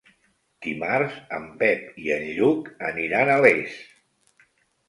Dimarts en Pep i en Lluc aniran a Les.